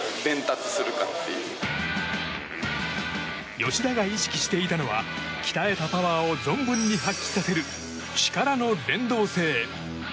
吉田が意識していたのは鍛えたパワーを存分に発揮させる力の連動性。